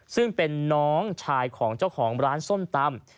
ซึ่งเป็นน้องชายของเจ้าของร้านส้มตำ